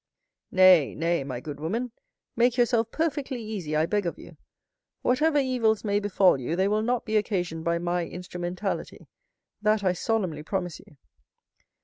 "Nay, nay, my good woman, make yourself perfectly easy, I beg of you. Whatever evils may befall you, they will not be occasioned by my instrumentality, that I solemnly promise you."